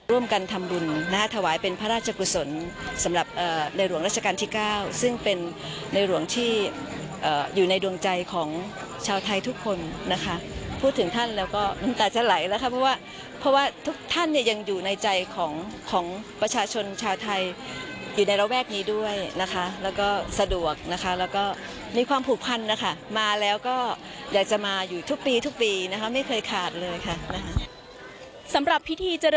ทำบุญนะคะถวายเป็นพระราชกุศลสำหรับในหลวงราชการที่เก้าซึ่งเป็นในหลวงที่อยู่ในดวงใจของชาวไทยทุกคนนะคะพูดถึงท่านแล้วก็น้ำตาจะไหลแล้วค่ะเพราะว่าเพราะว่าทุกท่านเนี่ยยังอยู่ในใจของของประชาชนชาวไทยอยู่ในระแวกนี้ด้วยนะคะแล้วก็สะดวกนะคะแล้วก็มีความผูกพันนะคะมาแล้วก็อยากจะมาอยู่ทุกปีทุกปีนะคะไม่เคยขาดเลยค่ะนะคะสำหรับพิธี